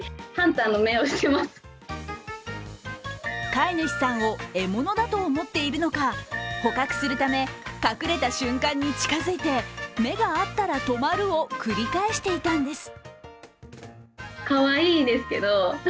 飼い主さんを獲物だと思っているのか、捕獲するため、隠れた瞬間に近づいて、目が合ったら止まるを繰り返していたんです。